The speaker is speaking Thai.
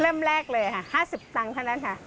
เริ่มแรกเลยค่ะ๕๐ตังค์เท่านั้นค่ะ